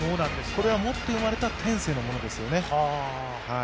これは持って生まれた天性のものですよね。